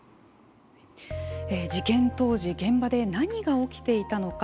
事件当時、現場で何が起きていたのか。